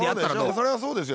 それはそうですよ。